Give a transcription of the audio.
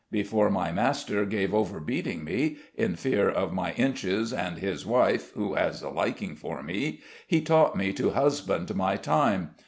Before my master gave over beating me, in fear of my inches and his wife (who has a liking for me), he taught me to husband my time.